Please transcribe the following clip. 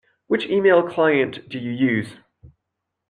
Which email client do you use?